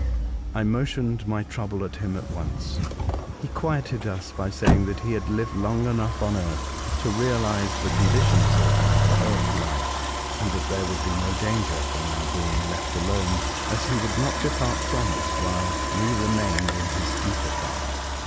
I mentioned my trouble at once to him, and he quieted us by saying that he had lived long enough on earth to realise the conditions of our earth life, and that there would be no danger from our being left alone, as he would not depart from us while we remained in his ether car.